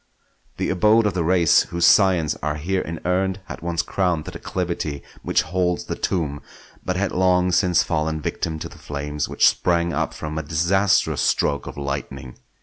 The abode of the race whose scions are here inurned had once crowned the declivity which holds the tomb, but had long since fallen victim to the flames which sprang up from a disastrous stroke of lightning.